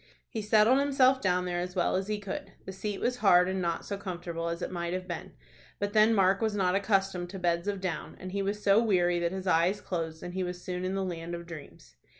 He settled himself down there as well as he could. The seat was hard, and not so comfortable as it might have been; but then Mark was not accustomed to beds of down, and he was so weary that his eyes closed and he was soon in the land of dreams.